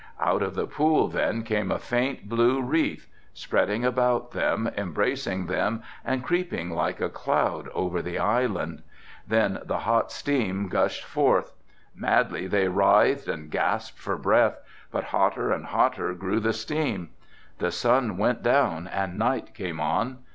Out of the pool then came a faint blue wreath, spreading about them, embracing them and creeping like a cloud over the island. Then the hot steam gushed forth. Madly they writhed and gasped for breath but hotter and hotter grew the steam. The sun went down and night came on.